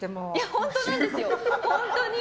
本当なんですよ、本当に！